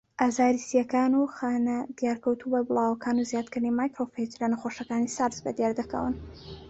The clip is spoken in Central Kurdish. ئازاری سییەکان و خانە دیارکەوتوو بەربڵاوەکان و زیادکردنی ماکرۆفەیج لە نەخۆشەکانی سارس بەدیاردەکەون.